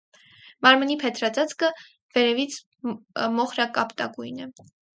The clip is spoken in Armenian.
Մարմնի փետրածածկը վերևից մոխրակապտագույն է։